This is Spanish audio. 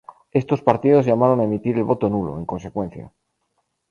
Estos partidos llamaron a emitir el voto nulo, en consecuencia.